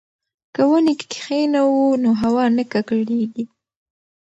که ونې کښېنوو نو هوا نه ککړیږي.